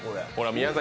宮崎